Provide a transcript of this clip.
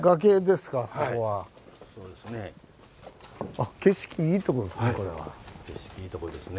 あっ景色いいとこですね